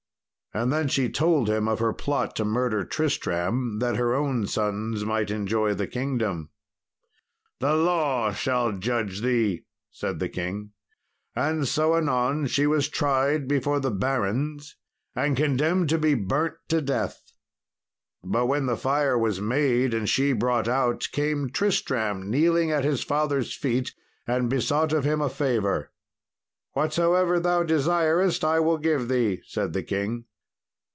And then she told him of her plot to murder Tristram, that her own sons might enjoy the kingdom. "The law shall judge thee," said the king. And so anon she was tried before the barons, and condemned to be burnt to death. But when the fire was made, and she brought out, came Tristram kneeling at his father's feet and besought of him a favour. "Whatsoever thou desirest I will give thee," said the king.